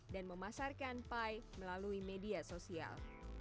dan memasarkan pie melalui media sosial